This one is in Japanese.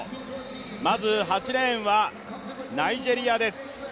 まず８レーンはナイジェリアです。